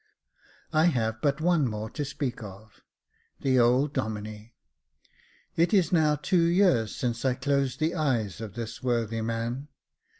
I have but one more to speak of — the old Domine. It is now two years since I closed the eyes of this worthy man.